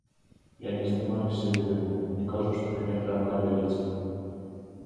Я не здымаю з сябе віну, не кажу, што мяне трэба абяліць.